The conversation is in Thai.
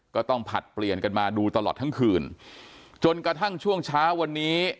ผลัดเปลี่ยนกันมาดูตลอดทั้งคืนจนกระทั่งช่วงเช้าวันนี้